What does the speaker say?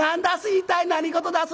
一体何事だす？